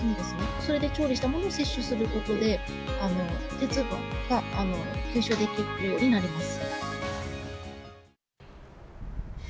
それで調理したものを摂取することで、鉄分が吸収できるようになります。